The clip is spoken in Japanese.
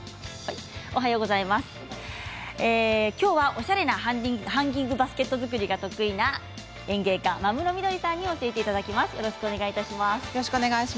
きょうはおしゃれなハンギングバスケット作りが得意な園芸家間室みどりさんに教えていただきます。